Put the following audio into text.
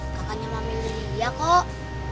kakaknya mama yang dirinya kok